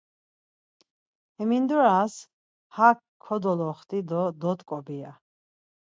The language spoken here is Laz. Hemindoras hak kodoloxti do dot̆ǩobi ya.